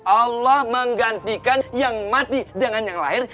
allah menggantikan yang mati dengan yang lain